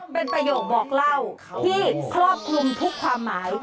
เป็นประโยคบอกเล่าที่ครอบคลุมทุกความหมาย